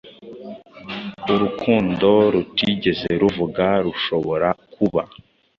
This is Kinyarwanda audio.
Urukundo rutigeze ruvuga rushobora kuba;